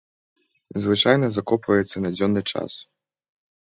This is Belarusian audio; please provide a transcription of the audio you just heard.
Звычайна закопваецца на дзённы час.